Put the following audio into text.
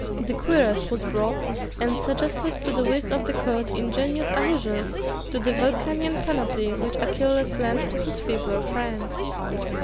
The cuirass was brought, and suggested to the wits of the Court ingenious allusions to the Vulcanian panoply which Achilles lent to his feebler friend.